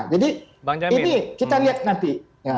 jadi ini kita lihat nanti